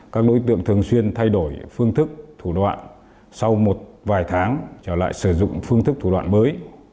các đối tượng thường xuyên thay đổi phương thức thủ đoạn sau một vài tháng trở lại sử dụng phương thức thủ đoạn mới